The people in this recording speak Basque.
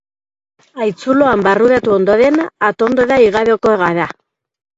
Haitzuloan barruratu ondoren, atondora igaroko gara.